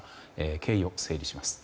経緯を整理します。